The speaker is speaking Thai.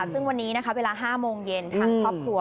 ซึ่งวันนี้นะคะเวลา๕โมงเย็นทางครอบครัว